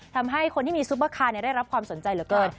ทำให้คนที่มีซุปเปอร์คาร์ได้รับความสนใจเหลือเกิน